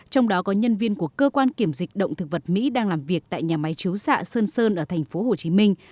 trong đó có nhân viên của cơ quan kiểm dịch động thực vật mỹ đang làm việc tại nhà máy chiếu xạ sơn sơn ở thành phố hồ chí minh